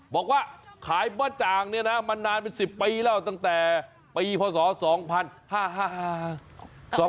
บอกว่าขายบ้าจ่างเนี่ยนะมานานเป็น๑๐ปีแล้วตั้งแต่ปีพศ๒๕๕